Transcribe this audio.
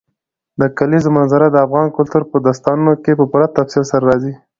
د کلیزو منظره د افغان کلتور په داستانونو کې په پوره تفصیل سره راځي.